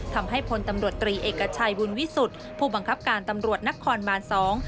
พลตำรวจตรีเอกชัยบุญวิสุทธิ์ผู้บังคับการตำรวจนครบานสอง